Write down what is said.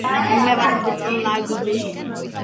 ფიატი აგრეთვე აწარმოებს ტანკებს და თვითმფრინავებს.